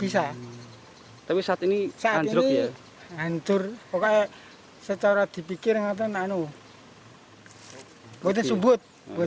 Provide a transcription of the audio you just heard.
saat ini hancur pokoknya secara dipikir buat disubut